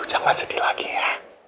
jangan sedih lagi ya